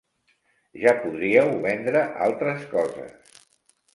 Ja podríeu vendre altres coses.